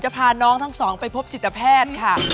พาน้องทั้งสองไปพบจิตแพทย์ค่ะ